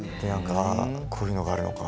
こういうのがあるのか。